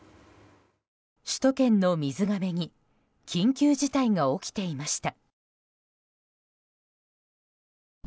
首都圏の水がめに緊急事態が起きていました。